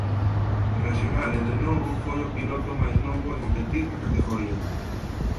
Rexional e de novo foi o piloto máis novo en competir na categoría.